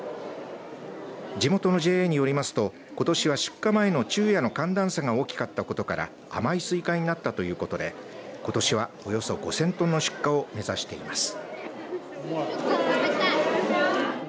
地元のＪＡによりますとことしは出荷前の昼夜の寒暖差が大きかったことから甘いすいかになったということでことしは、およそ５０００トンの出荷を目指しています。